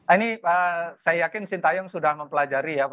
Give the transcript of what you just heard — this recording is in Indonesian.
ini saya yakin sintayong sudah mempelajari ya